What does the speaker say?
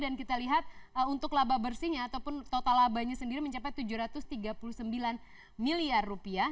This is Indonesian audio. dan kita lihat untuk laba bersihnya ataupun total labanya sendiri mencapai tujuh ratus tiga puluh sembilan miliar rupiah